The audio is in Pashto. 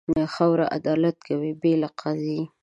خاوره عدالت کوي، بې له قاضي.